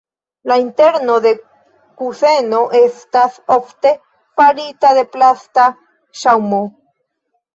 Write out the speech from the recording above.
La interno de kuseno estas ofte farita el plasta ŝaŭmo.